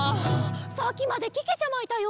さっきまでけけちゃまいたよ。